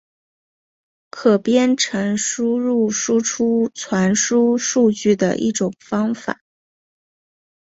可编程输入输出传输数据的一种方法。